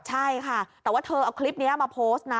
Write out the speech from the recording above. ใช่ค่ะแต่ว่าเธอเอาคลิปนี้มาโพสต์นะ